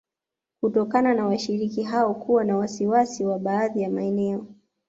Kutokana na washiriki hao kuwa na wasiwasi wa baadhi ya maeneo